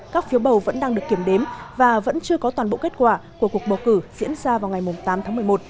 các phiếu bầu vẫn đang được kiểm đếm và vẫn chưa có toàn bộ kết quả của cuộc bầu cử diễn ra vào ngày tám tháng một mươi một